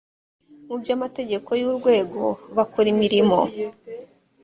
mu by amategeko w urwego bakora imirimo